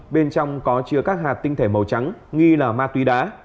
bên trong có chứa các hạt tinh thể màu trắng nghi là ma túy đá